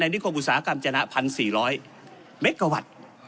นิคมอุตสาหกรรมจนะ๑๔๐๐เมกะวัตต์